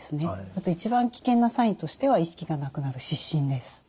あと一番危険なサインとしては意識がなくなる失神です。